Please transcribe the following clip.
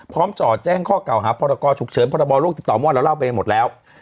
จ่อแจ้งข้อเก่าหาพรกรฉุกเฉินพรบโลกติดต่อเมื่อวานเราเล่าไปหมดแล้ว